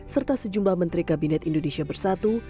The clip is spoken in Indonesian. serta sejumlah menteri kabinet indonesia bersatu